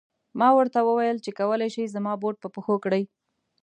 ما ورته و ویل چې کولای شې زما بوټ په پښو کړې.